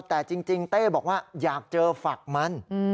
แต่จริงเต้บอกว่าอยากเจอฝักมัน